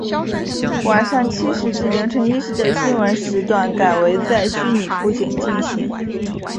晚上七时至凌晨一时的新闻时段改为在虚拟布景进行。